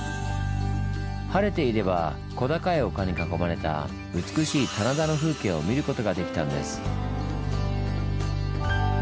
晴れていれば小高い丘に囲まれた美しい棚田の風景を見ることができたんです。